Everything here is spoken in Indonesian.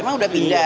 emang udah pindah